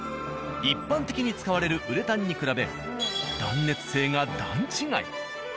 一般的に使われるウレタンに比べ断熱性が段違い。